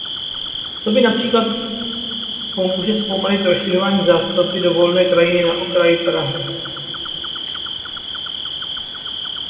To by například pomůže zpomalit rozšiřování zástavby do volné krajiny na okraji Prahy.